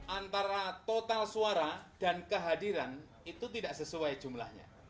antara total suara dan kehadiran itu tidak sesuai jumlahnya